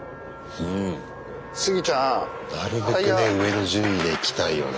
なるべくね上の順位でいきたいよね